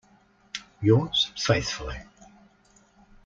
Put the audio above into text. Yours faithfully.